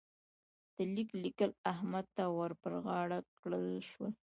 د ليک لیکل احمد ته ور پر غاړه کړل شول.